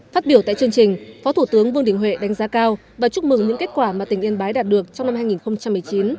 phát biểu tại chương trình phó thủ tướng vương đình huệ đánh giá cao và chúc mừng những kết quả mà tỉnh yên bái đạt được trong năm hai nghìn một mươi chín